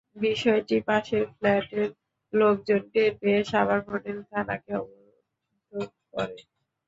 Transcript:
বিষয়টি পাশের ফ্ল্যাটের লোকজন টের পেয়ে সাভার মডেল থানাকে অবহিত করে।